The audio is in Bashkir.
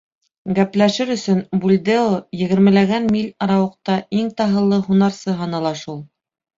Гәпләшер өсөн Бульдео егермеләгән миль арауыҡта иң таһыллы һунарсы һанала шул.